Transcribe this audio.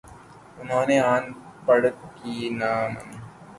انہوں نے اَن پڑھ کی بات نہ مانی